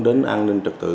đến an ninh trật tự